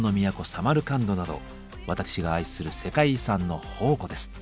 サマルカンドなど私が愛する世界遺産の宝庫です。